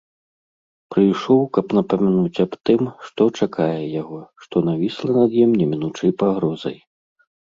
Прыйшоў, каб напамянуць аб тым, што чакае яго, што навісла над ім немінучай пагрозай.